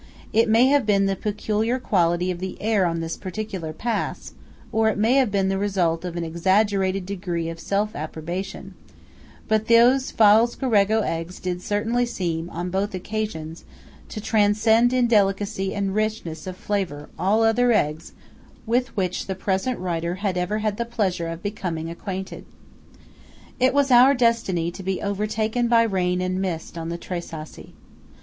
It may have been the peculiar quality of the air on this particular pass, or it may have been the result of an exaggerated degree of self approbation; but those Falzarego eggs did certainly seem, on both occasions, to transcend in delicacy and richness of flavour all other eggs with which the present writer ever had the pleasure of becoming acquainted. It was our destiny to be overtaken by rain and mist on the Tre Sassi.